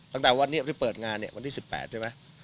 ตั้งแต่วันนี้วันที่เปิดงานเนี่ยวันที่๑๘ใช่ไหม